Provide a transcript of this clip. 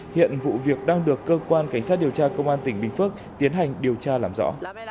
hiện vụ việc đang được cơ quan cảnh sát điều tra công an tỉnh bình phước tiến hành điều tra làm rõ